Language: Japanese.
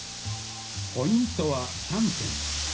ポイントは３点。